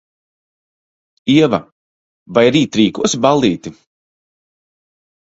Ieva, vai rīt rīkosi ballīti?